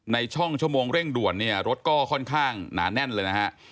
ในช่องชั่วโมงเร่งด่วนเนี่ยรถก็ค่อนข้างหนาแน่นเลยนะฮะ